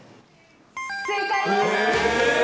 正解です。